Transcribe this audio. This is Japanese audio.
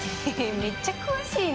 めっちゃ詳しいね！